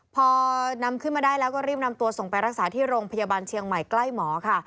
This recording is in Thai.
พอนำขึ้นมาได้แล้วก็รีบนำตัวส่งไปรักษาที่โรงพยาบาลเชียงใหม่ใกล้หมอค่ะ